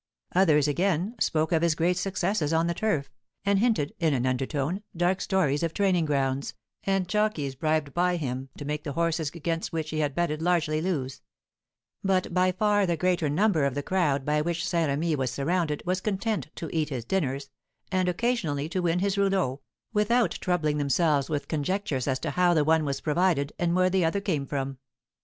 Others, again, spoke of his great successes on the turf, and hinted, in an undertone, dark stories of training grounds, and jockeys bribed by him to make the horses against which he had betted largely lose; but by far the greater number of the crowd by which Saint Remy was surrounded was content to eat his dinners, and occasionally to win his rouleaux, without troubling themselves with conjectures as to how the one was provided, and where the other came from.